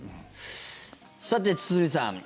さて、堤さん。